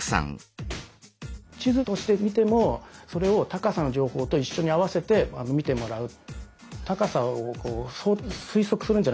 地図としてみてもそれを高さの情報と一緒に合わせて見てもらう。